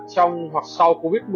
trong hoặc sau covid một mươi chín